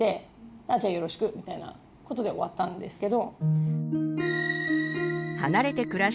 あじゃあよろしく！みたいなことで終わったんですけど。